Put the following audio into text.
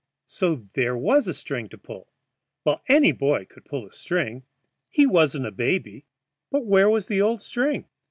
So there was a string to pull! Well, any boy could pull a string. He wasn't a baby. But where was the old string?